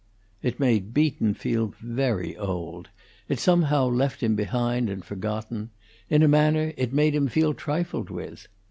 It made Beaton feel very old; it somehow left him behind and forgotten; in a manner, it made him feel trifled with.